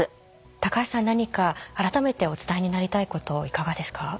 高橋さん何か改めてお伝えになりたいこといかがですか？